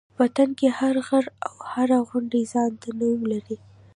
وطن کې هر غر او هره غونډۍ ځان ته نوم لري.